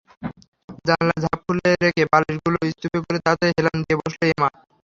জানালার ঝাঁপ খুলে রেখে, বালিশগুলো স্তূপ করে তাতে হেলান দিয়ে বসল এমা।